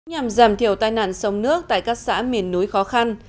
nhằm giảm thiểu tai nạn sông nước tại các xã miền núi khó khăn